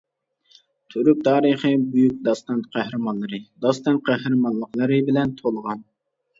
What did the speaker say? تۈرك تارىخى بۈيۈك داستان قەھرىمانلىرى، داستان قەھرىمانلىقلىرى بىلەن تولغان.